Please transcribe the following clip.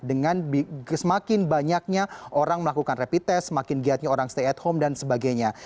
dengan semakin banyaknya orang melakukan rapid test semakin giatnya orang stay at home dan sebagainya